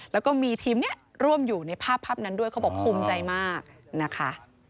แล้วก็มีทีมนี้ร่วมอยู่ในภาพภาพนั้นด้วยเขาบอกภูมิใจมากนะคะ